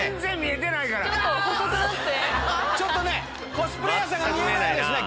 コスプレーヤーさんが見えないんですね